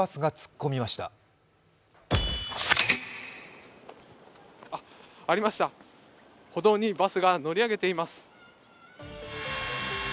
ありました、歩道にバスが乗り上げています。